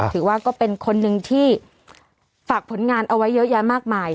ถือว่าเป็นคนหนึ่งที่ฝากผลงานเอาไว้เยอะแยะมากมาย